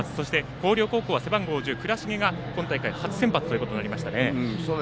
広陵高校は背番号１０、倉重が今大会、初先発ということになりましたね。